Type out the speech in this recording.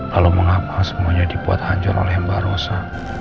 lalu mengapa semuanya dibuat hancur oleh mbak rosa